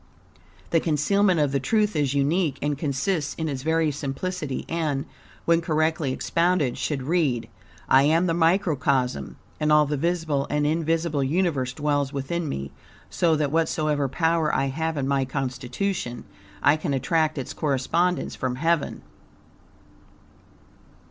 The concealment of the truth is unique, and consists in its very simplicity; and, when correctly expounded, should read: "I am the microcosm, and all the visible and invisible universe dwells within me, so that whatsoever power I have in my constitution, I can attract its correspondence from Heaven."